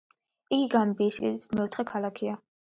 იგი გამბიის სიდიდით მეოთხე ქალაქია.